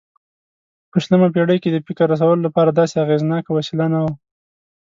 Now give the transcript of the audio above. په شلمه پېړۍ کې د فکر رسولو لپاره داسې اغېزناکه وسیله نه وه.